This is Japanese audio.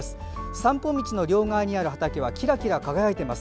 散歩道の両側にある畑はキラキラ輝いています。